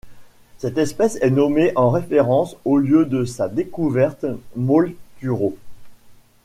Cette espèce est nommée en référence au lieu de sa découverte, Molleturo.